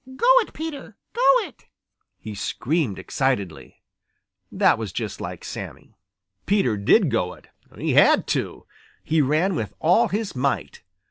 "Go it, Peter! Go it!" he screamed excitedly. That was just like Sammy. Peter did go it. He had to. He ran with all his might.